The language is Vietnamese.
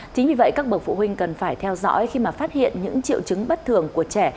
chính vì vậy các bậc phụ huynh cần phải theo dõi khi mà phát hiện những triệu chứng bất thường của trẻ